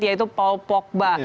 yaitu paul pogba